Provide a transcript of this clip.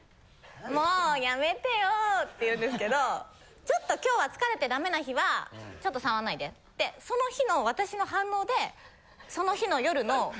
もうやめてよって言うんですけどちょっと今日は疲れてダメな日はちょっと触んないでってその日の私の反応で。